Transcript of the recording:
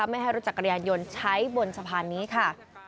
ไม่ให้รถจักรยานยนต์ใช้บนสะพานนี้ค่ะ